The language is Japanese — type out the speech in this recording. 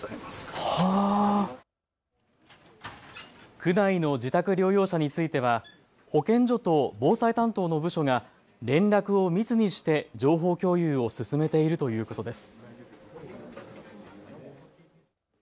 区内の自宅療養者については保健所と防災担当の部署が連絡を密にして情報共有を進めているということです。